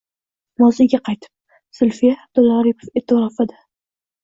Moziyga qaytib: Zulfiya Abdulla Oripov eʼtirofida